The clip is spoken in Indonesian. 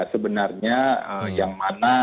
sebenarnya yang mana